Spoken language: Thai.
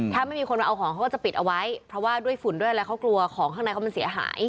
ถ้าไม่มีคนมาเอาของเขาก็จะปิดเอาไว้เพราะว่าด้วยฝุ่นด้วยอะไรเขากลัวของข้างในเขามันเสียหาย